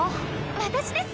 私です。